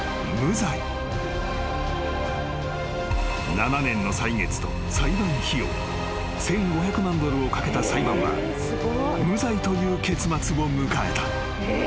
［７年の歳月と裁判費用１，５００万ドルをかけた裁判は無罪という結末を迎えた］